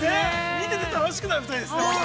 ◆見てて楽しくなる２人ですね。